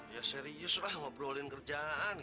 ya seriuslah ngobrolin kerjaan ya